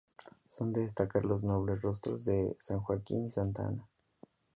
Son de destacar los nobles rostros de San Joaquín y Santa Ana.